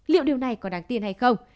liệu điều này có đáng tin hay không